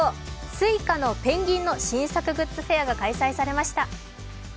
Ｓｕｉｃａのペンギンの新作グッズフェアが開催されました。